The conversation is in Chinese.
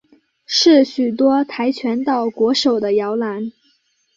是许多跆拳道国手的摇篮。